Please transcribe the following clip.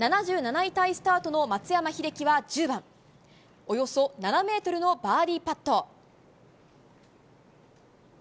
７７位タイスタートの松山英樹は１０番およそ７ｍのバーディーパット。